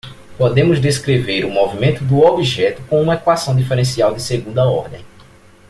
Podemos descrever o movimento do objeto com uma equação diferencial de segunda ordem.